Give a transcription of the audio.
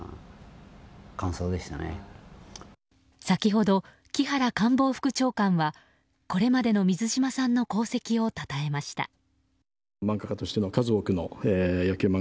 先ほど、木原官房副長官はこれまでの水島さんの功績をたたえました。